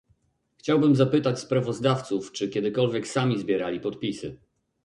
Chciałbym zapytać sprawozdawców, czy kiedykolwiek sami zbierali podpisy